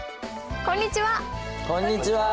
こんにちは。